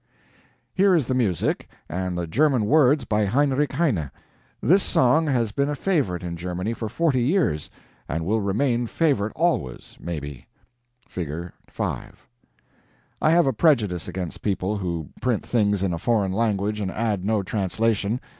Here is the music, and the German words by Heinrich Heine. This song has been a favorite in Germany for forty years, and will remain a favorite always, maybe. [Figure 5] I have a prejudice against people who print things in a foreign language and add no translation.